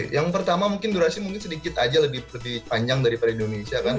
yang pertama mungkin durasi mungkin sedikit aja lebih panjang daripada indonesia kan